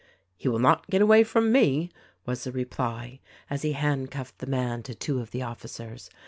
"He will not get away from me," was the reply as he handcuffed the man to two of the officers.